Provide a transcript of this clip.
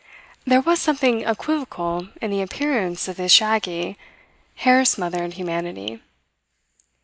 There was something equivocal in the appearance of his shaggy, hair smothered humanity.